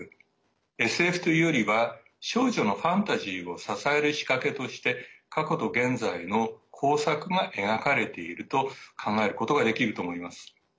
ＳＦというよりは少女のファンタジーを支える仕掛けとして過去と現在の交錯が描かれていると考えることができると思います。